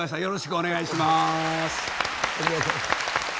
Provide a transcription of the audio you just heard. よろしくお願いします。